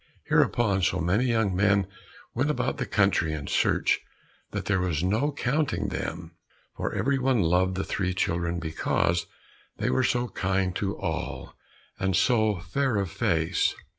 Hereupon so many young men went about the country in search, that there was no counting them, for every one loved the three children because they were so kind to all, and so fair of face.